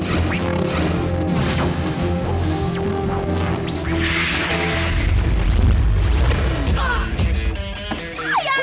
aku jangan menemukanmu sekarang